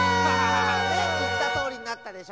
ねっいったとおりになったでしょ。